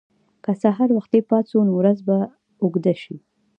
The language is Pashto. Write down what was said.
که سهار وختي پاڅو، نو ورځ به اوږده شي.